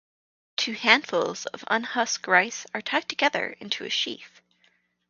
Two handfuls of unhusked rice are tied together into a sheaf.